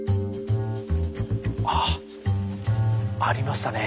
あっありましたね。